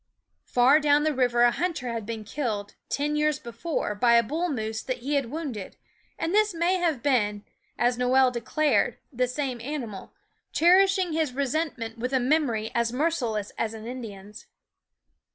Far down the river a hunter had been killed, ten years before, by a bull moose that he had wounded ; and this may have been, as Noel declared, the same animal, cherishing his resentment with a memory as merciless as an Indian's.